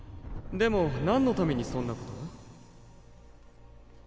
でも何のためにそんなことを？